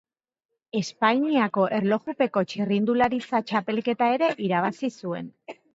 Espainiako erlojupeko txirrindularitza txapelketa ere irabazi zuen.